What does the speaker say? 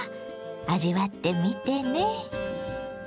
味わってみてね。